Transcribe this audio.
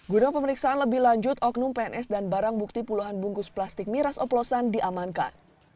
guna pemeriksaan lebih lanjut oknum pns dan barang bukti puluhan bungkus plastik miras oplosan diamankan